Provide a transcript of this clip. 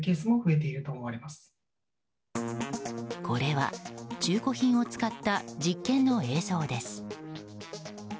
これは中古品を使った実験の映像です。